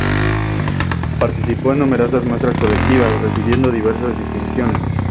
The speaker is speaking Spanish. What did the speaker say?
Participó en numerosas muestras colectivas, recibiendo diversas distinciones.